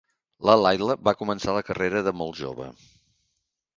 La Laila va començar la carrera de molt jove.